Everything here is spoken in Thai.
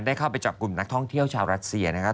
ได้เข้าไปจับกลุ่มนักท่องเที่ยวชาวรัสเซียนะครับ